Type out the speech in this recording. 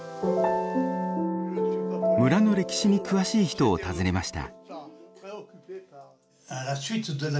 村の歴史に詳しい人を訪ねました。